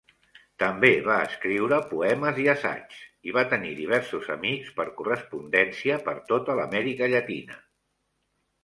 També va escriure poemes i assaigs, i va tenir diversos amics per correspondència per tota l'Amèrica Llatina.